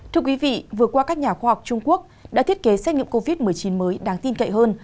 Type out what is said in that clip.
thưa quý vị vừa qua các nhà khoa học trung quốc đã thiết kế xét nghiệm covid một mươi chín mới đáng tin cậy hơn